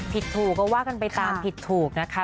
ผิดถูกก็ว่ากันไปตามผิดถูกนะคะ